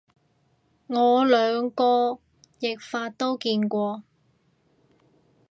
我兩個譯法都見過